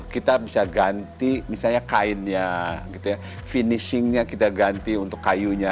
kita bisa ganti misalnya kainnya finishingnya kita ganti untuk kayunya